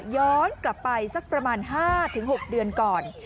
ย้อนกลับไปสักประมาณ๕๖เดือนก่อน